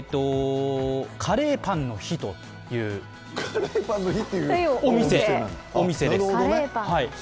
カレーパンの日というお店です。